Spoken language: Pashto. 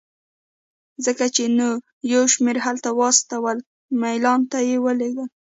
ځکه یې نو یو شمېر هلته واستول، میلان ته یې ولېږلې.